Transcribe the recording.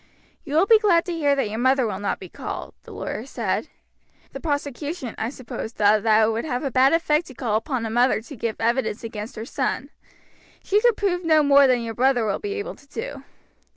"You will be glad to hear that your mother will not be called," the lawyer said. "The prosecution, I suppose, thought that it would have a bad effect to call upon a mother to give evidence against her son; besides, she could prove no more than your brother will be able to do.